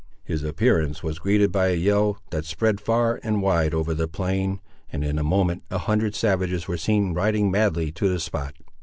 His appearance was greeted by a yell, that spread far and wide over the plain, and in a moment a hundred savages were seen riding madly to the spot.